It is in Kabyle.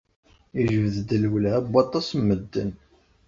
Yejbed-d lwelha n waṭas n medden.